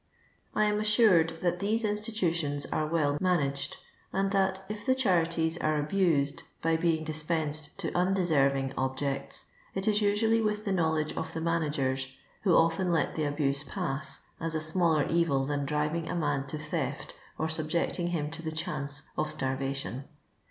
I am assured that these institutions are well managed, and that, if the charities are abused by being dispensed to undesenring objects, it is nsually with the knowledge of the managers, who often let the abuse pass, as a smaller evil than driving a man to thcfl or subjecting him to the chance of starvation.